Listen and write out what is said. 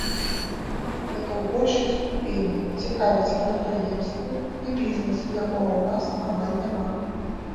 Гэта ў большай ступені цікавіць прадпрыемствы і бізнес, якога ў нас амаль няма.